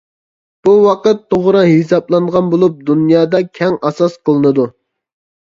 بۇ ۋاقىت توغرا ھېسابلانغان بولۇپ دۇنيادا كەڭ ئاساس قىلىنىدۇ.